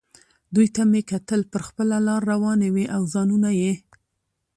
دوی ته مې کتل، پر خپله لار روانې وې او ځانونه یې.